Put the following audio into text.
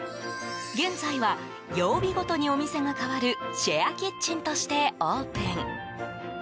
現在は、曜日ごとにお店が変わるシェアキッチンとしてオープン。